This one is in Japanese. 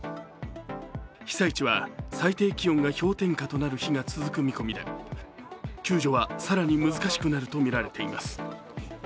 被災地は最低気温が氷点下となる日が続く見込みで、救助は更に難しくなるとみられています。